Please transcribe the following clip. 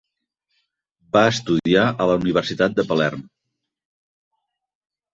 Va estudiar a la Universitat de Palerm.